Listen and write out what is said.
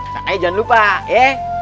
jangan lupa ya